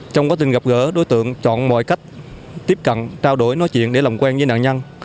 trong quá trình gặp gỡ đối tượng chọn mọi cách tiếp cận trao đổi nói chuyện để làm quen với nạn nhân